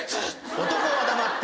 男は黙って。